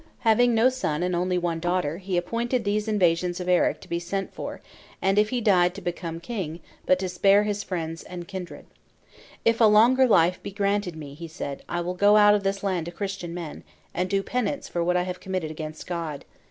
Having no son and only one daughter, he appointed these invasive sons of Eric to be sent for, and if he died to become king; but to "spare his friends and kindred." "If a longer life be granted me," he said, "I will go out of this land to Christian men, and do penance for what I have committed against God.